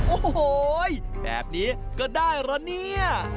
โอ้โหแบบนี้ก็ได้เหรอเนี่ย